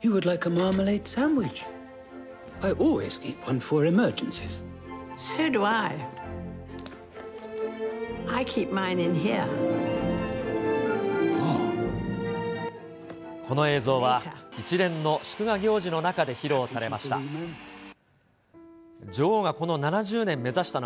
この映像は、一連の祝賀行事の中で披露されました。